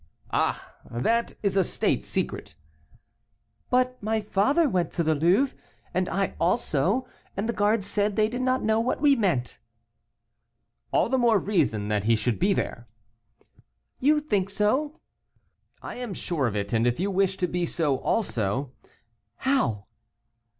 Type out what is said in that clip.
"Ah! that is a state secret." "But my father went to the Louvre, and I also, and the guards said they did not know what we meant." "All the more reason that he should be there." "You think so?" "I am sure of it, and if you wish to be so also " "How?"